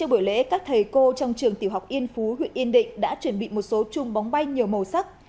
sau buổi lễ các thầy cô trong trường tiểu học yên phú huyện yên định đã chuẩn bị một số chùm bóng bay nhiều màu sắc